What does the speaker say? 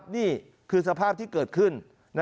นี่คือสภาพที่เกิดขึ้น